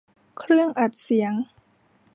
เครื่องอัดเสียง